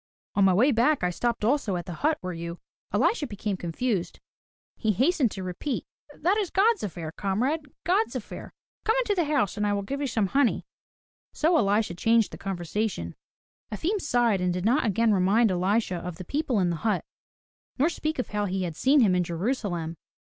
"On my way back I stopped also at the hut where you—" Elisha became confused. He hastened to repeat: "That is God's affair, comrade, God's affair. Come on into the house and I will give you some honey." So Elisha changed the conversation. Efim sighed and did not again remind Elisha of the people in the hut nor speak of how he had seen him in Jerusalem.